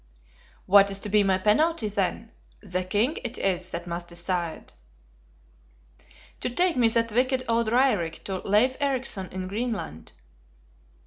"What is to be my penalty, then? The king it is that must decide." "To take me that wicked old Raerik to Leif Ericson in Greenland."